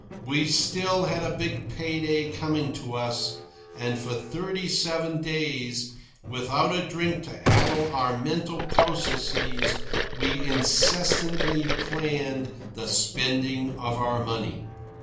We still had a big pay day coming to us, and for thirty seven days, without a drink to addle our mental processes, we incessantly planned the spending of our money.